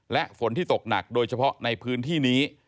และฝนที่ตกหนักโดยเฉพาะในพื้นที่นี้